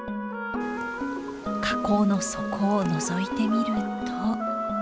河口の底をのぞいてみると。